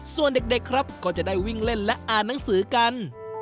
ส่วนเด็กครับก็จะได้วิ่งเล่นและอ่านหนังสือกัน